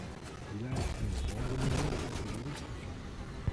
Il a acquis une grande renommée en tant que jurisconsulte.